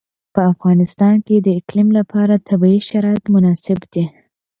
په افغانستان کې د اقلیم لپاره طبیعي شرایط مناسب دي.